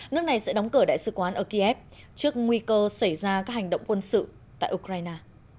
nước này sẽ đóng cửa đại sứ quán ở kiev trước nguy cơ xảy ra các hành động quân sự tại ukraine